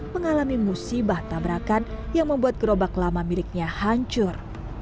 mengalami musibah tabrakan yang membuat gerobak lama miliknya hancur